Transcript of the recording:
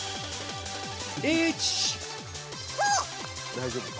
「大丈夫か？」